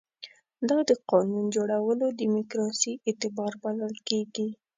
دا د قانون جوړولو دیموکراسي اعتبار بلل کېږي.